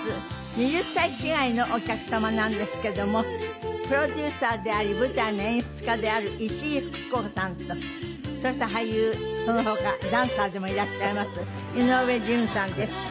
２０歳違いのお客様なんですけどもプロデューサーであり舞台の演出家である石井ふく子さんとそして俳優その他ダンサーでもいらっしゃいます井上順さんです。